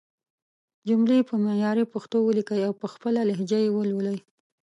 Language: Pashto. جملې په معياري پښتو وليکئ او په خپله لهجه يې ولولئ!